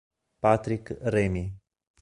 Patrick Rémy